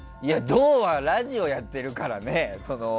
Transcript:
土はラジオやってるからね。